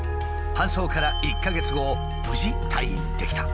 搬送から１か月後無事退院できた。